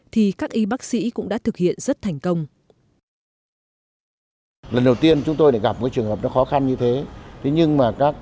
thì các y bác sĩ cũng đã thực hiện rất thành công